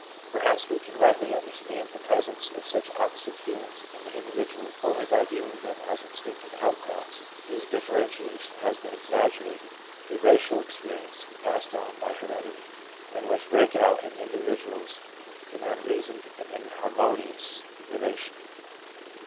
Perhaps we can rightly understand the presence of such opposite feelings in the individual only by viewing them as instinctive outcrops whose differentiation has been exaggerated through racial experience passed on by heredity, and which break out in individuals in unreasoned and in harmonious relation.